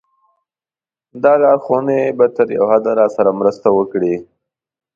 دا لارښوونې به تر یوه حده راسره مرسته وکړي.